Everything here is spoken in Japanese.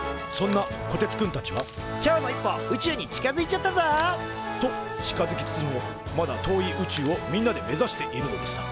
「今日も一歩宇宙に近づいちゃったぞ！」と近づきつつもまだ遠い宇宙をみんなで目指しているのでした。